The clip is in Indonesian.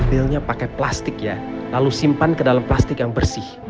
realnya pakai plastik ya lalu simpan ke dalam plastik yang bersih